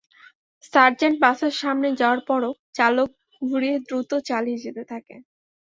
Sergeant বাসের সামনে যাওয়ার পরও চালক ঘুরিয়ে দ্রুত চালিয়ে যেতে থাকেন।